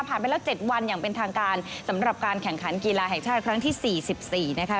ผ่านไปแล้วเจ็ดวันอย่างเป็นทางการสำหรับการแข่งขันกีฬาแห่งชาติครั้งที่สี่สิบสี่นะคะ